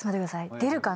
出るかな？